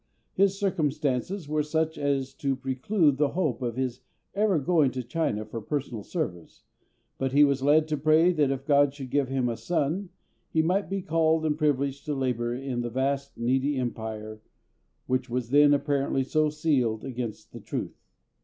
His circumstances were such as to preclude the hope of his ever going to China for personal service, but he was led to pray that if GOD should give him a son, he might be called and privileged to labour in the vast needy empire which was then apparently so sealed against the truth.